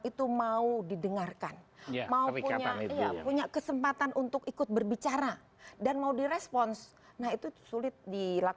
itu akan menaikkan hasil